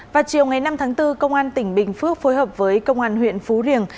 vào chiều ngày năm tháng bốn công an tỉnh bình phước phối hợp với công an huyện phú riềng